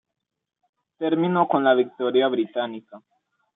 Terminó con la victoria británica.